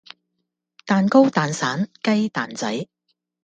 蛋糕蛋散雞蛋仔